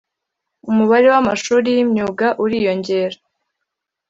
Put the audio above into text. - umubare w‟amashuri y‟imyuga uriyongera.